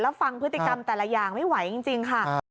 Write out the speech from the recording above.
แล้วฟังพฤติกรรมแต่ละอย่างไม่ไหวจริงค่ะ